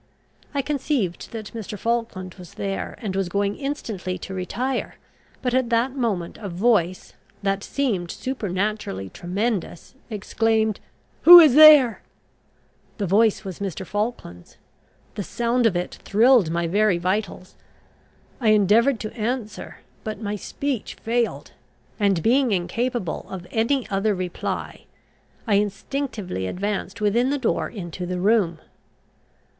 I conceived that Mr. Falkland was there, and was going instantly to retire; but at that moment a voice, that seemed supernaturally tremendous, exclaimed, Who is there? The voice was Mr. Falkland's. The sound of it thrilled my very vitals. I endeavoured to answer, but my speech failed, and being incapable of any other reply, I instinctively advanced within the door into the room.